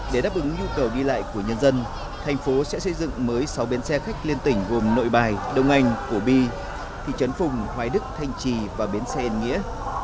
để đáp ứng nhu cầu đi lại của nhân dân thành phố sẽ xây dựng mới sáu bến xe khách liên tỉnh gồm nội bài đông anh cổ bi thị trấn phùng hoài đức thanh trì và bến xe yên nghĩa